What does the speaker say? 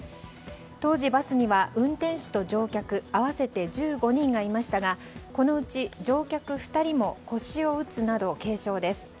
当時バスには運転手と乗客合わせて１５人がいましたがこのうち乗客２人も腰を打つなど軽傷です。